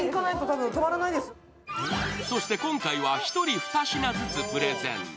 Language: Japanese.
そして今回は１人２品ずつプレゼン。